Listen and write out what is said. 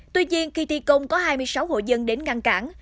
tuy nhiên khi thi công có hai mươi sáu hộ dân đến ngăn cản